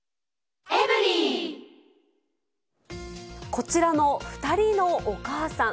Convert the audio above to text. こちらの２人のお母さん。